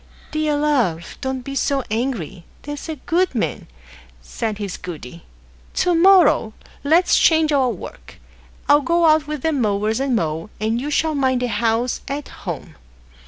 "Dear love, don't be so angry; there's a good man," said his goody; "to morrow let's change our work. I'll go out with the mowers and mow, and you shall mind the house at home."